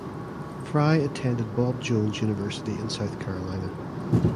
Frye Attended Bob Jones University in South Carolina.